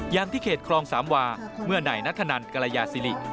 อย่างที่เขตคลองสามวาเมื่อนายนัทธนันกรยาศิริ